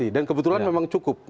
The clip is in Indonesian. dan kebetulan memang cukup